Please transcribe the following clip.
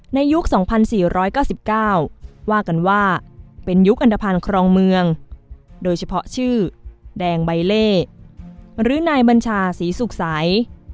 ยุค๒๔๙๙ว่ากันว่าเป็นยุคอันตภัณฑ์ครองเมืองโดยเฉพาะชื่อแดงใบเล่หรือนายบัญชาศรีสุขใส